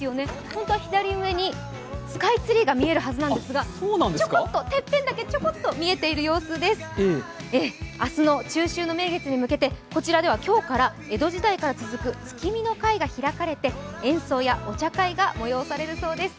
本当は左上にスカイツリーが見えるはずなんですが、てっぺんだけちょこっと、見えている様子です明日の中秋の名月に向けてこちらでは今日から江戸時代から続く月見の会が開かれて演奏やお茶会が催されるそうです。